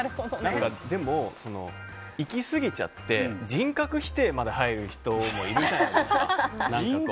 でも行きすぎちゃって人格否定まで入る人もいるじゃないですか。